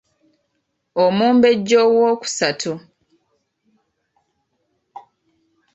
Omumbejja owookusatu.